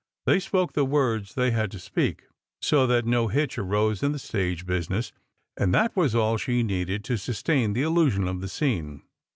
They 6]X)ke the words they had to speak, so that no hitch arose in the stage business, and that was all she needed to sustain the illusion of the scene.